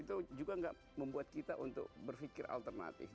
itu juga gak membuat kita untuk berpikir alternatif